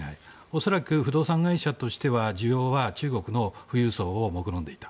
恐らく不動産会社としては需要は中国の富裕層をもくろんでいた。